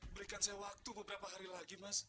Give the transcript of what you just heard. berikan saya waktu beberapa hari lagi mas